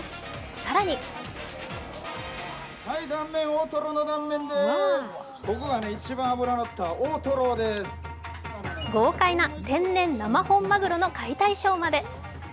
更に豪快な天然生本マグロの解体ショーまで。